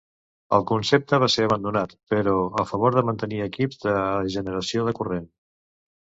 El concepte va ser abandonat, però, a favor de mantenir equips de generació de corrent.